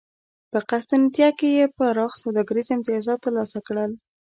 په قسطنطنیه کې یې پراخ سوداګریز امتیازات ترلاسه کړل